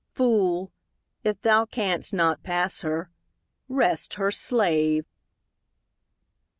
Fool, if thou canst not pass her, rest her slave!